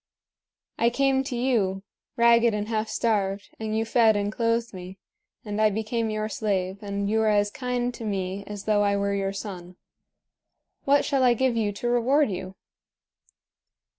I came to you, ragged and half starved, and you fed and clothed me; and I became your slave, and you were as kind to me as though I were your son. What shall I give you to reward you?"